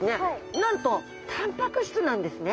なんとたんぱく質なんですね。